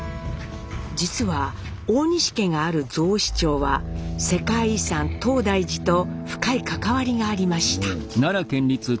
実は大西家がある雑司町は世界遺産・東大寺と深い関わりがありました。